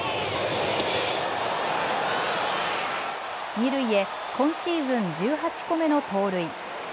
二塁へ今シーズン１８個目の盗塁。